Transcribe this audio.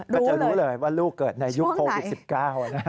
ก็จะรู้เลยว่าลูกเกิดในยุคโควิด๑๙นะฮะ